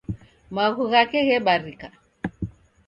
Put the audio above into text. Maghu ghake ghebarika.